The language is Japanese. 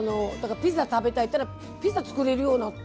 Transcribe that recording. ピザ食べたいって言ったらピザ作れるようになって。